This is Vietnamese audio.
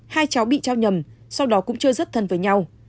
hai cháu bị trao nhầm sau đó cũng chưa rất thân với nhau